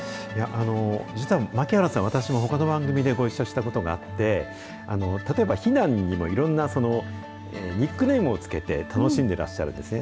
実は槙原さん、私もほかの番組でご一緒したことがあって、例えば避難にもいろんなニックネームを付けて楽しんでいらっしゃるんですね。